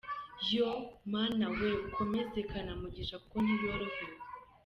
Yoooo Mana weee!! Ukomeze Kanamugisha kuko ntiyorohewe.